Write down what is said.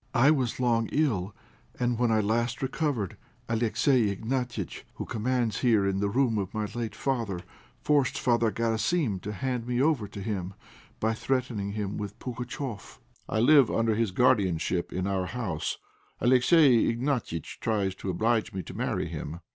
"I was long ill, and when at last I recovered, Alexey Iványtch, who commands here in the room of my late father, forced Father Garasim to hand me over to him by threatening him with Pugatchéf. I live under his guardianship in our house. Alexey Iványtch tries to oblige me to marry him.